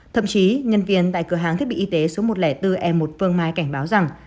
thậm chí nhân viên tại cửa hàng thiết bị y tế số một trăm linh bốn e một phương mai cảnh báo rằng